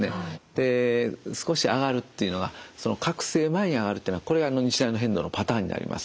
で少し上がるっていうのが覚醒前に上がるっていうのがこれが変動のパターンになります。